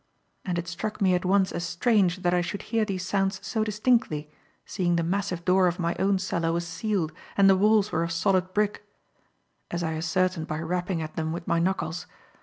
And it struck me at once as strange that I should hear these sounds so distinctly, seeing the massive door of my own cellar was sealed and the walls were of solid brick, as I ascertained by rapping at them with my knuckles.